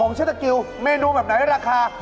ของเชสเตอร์กิวเมนูแบบไหนราคา